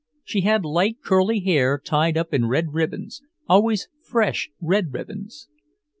She had light curly hair tied up in red ribbons, always fresh red ribbons.